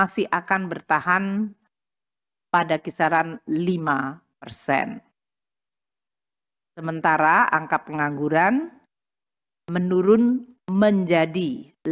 sementara angka pengangguran menurun menjadi lima tiga puluh dua